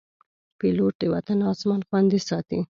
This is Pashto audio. پیلوټ د وطن اسمان خوندي ساتي.